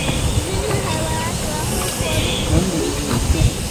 ځینې حیوانات واښه خوړونکي دي